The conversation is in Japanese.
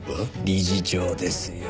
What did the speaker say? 理事長ですよ。